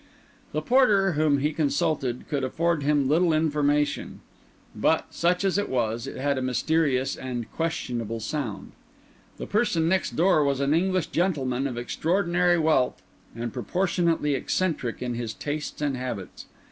The porter, whom he consulted, could afford him little information; but, such as it was, it had a mysterious and questionable sound. The person next door was an English gentleman of extraordinary wealth, and proportionately eccentric in his tastes and habits.